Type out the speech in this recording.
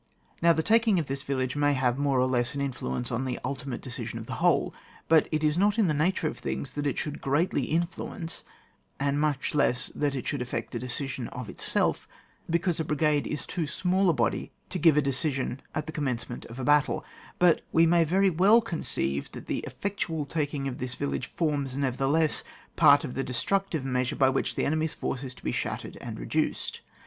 Now, the taking of this vil lage may have, more or less, an influence on the ultimate decision of the whole ; but it is not in the nature of things that it should greatly influence, and much less that it should effect that decision of itseK, because a brigade is too small a body to give a decision at the commence ment of a battle ; but we may very well conceive that the effectual taking of this village, forms, nevertheless, part of the destructive measure by which the enemy's force is to be shattered and reduced.